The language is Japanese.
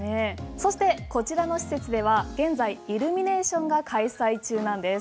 そしてこちらの施設では現在イルミネーションが開催中なんです。